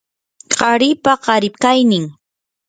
qaripa qarikaynin